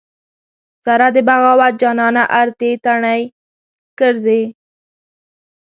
سره د بغاوت جانانه ارتې تڼۍ ګرځې